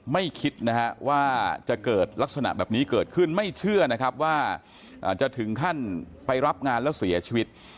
ไม่คิดนะฮะว่าจะเกิดลักษณะแบบนี้เกิดขึ้นไม่เชื่อนะครับว่าจะถึงขั้นไปรับงานแล้วเสียชีวิต